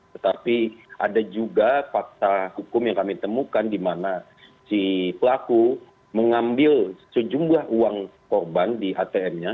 tetapi ada juga fakta hukum yang kami temukan di mana si pelaku mengambil sejumlah uang korban di atm nya